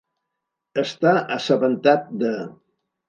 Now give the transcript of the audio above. Estar assabentat de.